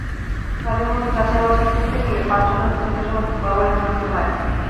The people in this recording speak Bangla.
তাঁদের মধ্যে যাচাই–বাছাই করতে গেলে পাঁচজনের মুক্তিযোদ্ধা সনদ ভুয়া বলে প্রমাণিত হয়।